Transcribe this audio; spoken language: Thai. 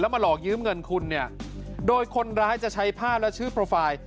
มาหลอกยืมเงินคุณเนี่ยโดยคนร้ายจะใช้ผ้าและชื่อโปรไฟล์